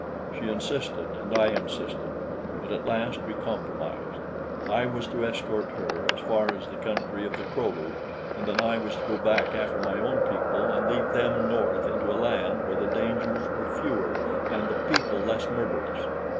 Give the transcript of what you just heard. She insisted, and I insisted; but at last we compromised. I was to escort her as far as the country of the Kro lu and then I was to go back after my own people and lead them north into a land where the dangers were fewer and the people less murderous.